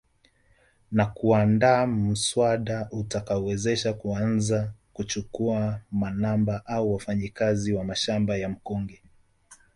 Na kuandaa muswada utakaowezesha kuanza kuchukua manamba au wafanyakazi wa mashamba ya mkonge